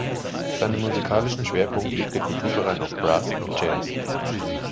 Seinen musikalischen Schwerpunkt legt der Kulturverein auf Brass und Jazz.